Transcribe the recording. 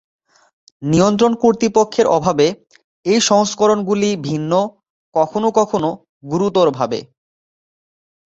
নিয়ন্ত্রণ কর্তৃপক্ষের অভাবে, এই সংস্করণগুলি ভিন্ন, কখনও কখনও গুরুতরভাবে।